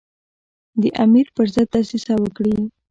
د امیر پر ضد دسیسه وکړي.